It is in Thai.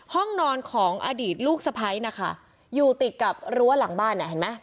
ห้องนอนของอดีตลูกสะพ้ายนะคะอยู่ติดกับรั้วหลังบ้านเนี่ยเห็นไหม